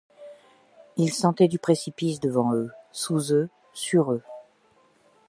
Ils sentaient du précipice devant eux, sous eux, sur eux.